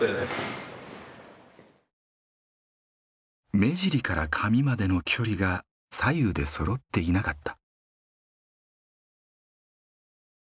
目尻から髪までの距離が左右でそろっていなかった。